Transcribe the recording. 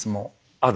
ある？